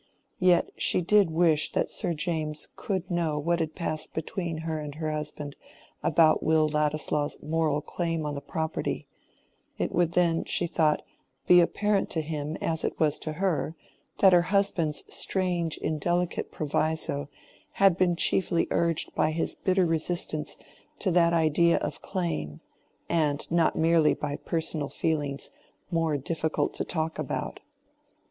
Yet she did wish that Sir James could know what had passed between her and her husband about Will Ladislaw's moral claim on the property: it would then, she thought, be apparent to him as it was to her, that her husband's strange indelicate proviso had been chiefly urged by his bitter resistance to that idea of claim, and not merely by personal feelings more difficult to talk about.